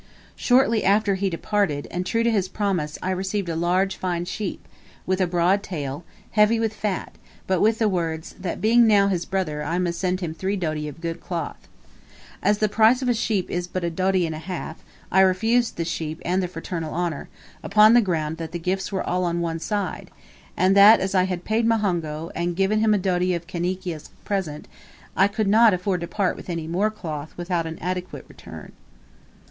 Shortly after he departed, and true to his promise, I received a large, fine sheep, with a broad tail, heavy with fat; but with the words: "That being now his brother, I must send him three doti of good cloth." As the price of a sheep is but a doti and a half, I refused the sheep and the fraternal honour, upon the ground that the gifts were all on one side; and that, as I had paid muhongo, and given him a doti of Kaniki as a present, I could not, afford to part with any more cloth without an adequate return.